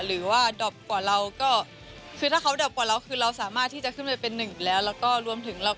หรือว่าดอปกว่าเราก็คือถ้าเขาดอบกว่าเราคือเราสามารถที่จะขึ้นไปเป็นหนึ่งแล้วแล้วก็รวมถึงเรา